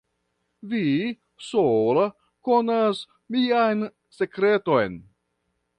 Vi sola konas mian sekreton.